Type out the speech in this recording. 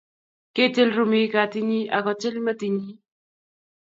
kitil rumiik katitnyin ak kotil metitnyin